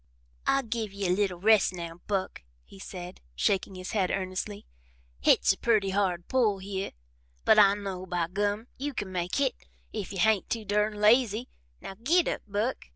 "I give ye a little rest now, Buck," he said, shaking his head earnestly. "Hit's a purty hard pull hyeh, but I know, by Gum, you can make hit if you hain't too durn lazy. Now, git up, Buck!"